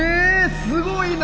すごいな！